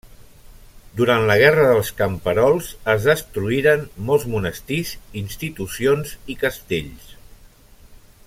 Durant la Guerra dels camperols es destruïren molts monestirs, institucions, i castells.